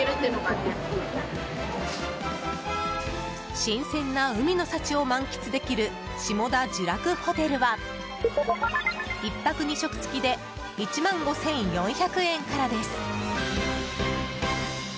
新鮮な海の幸を満喫できる下田聚楽ホテルは１泊２食付きで１万５４００円からです。